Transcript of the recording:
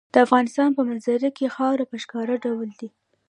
د افغانستان په منظره کې خاوره په ښکاره ډول دي.